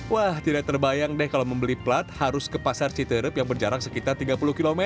wah tidak terbayang deh kalau membeli plat harus ke pasar citerep yang berjarak sekitar tiga puluh km